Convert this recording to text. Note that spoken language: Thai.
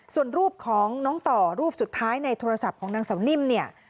ส่วนรูปของน้องต่อรูปสุดท้ายในโทรศัพท์ของนางเสานิ่มเนี่ย